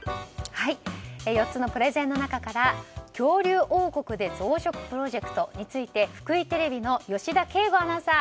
４つのプレゼンの中から恐竜王国で増殖プロジェクトについて福井テレビの吉田圭吾アナウンサー